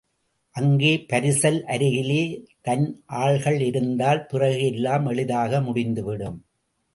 அங்கே பரிசல் அருகிலே தன் ஆள்கள் இருந்தால், பிறகு எல்லாம் எளிதாக முடிந்து விடும்.